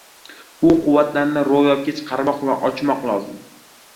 Bu quvvatlarni ro‘yobga chiqarmoq va ochmoq lozim.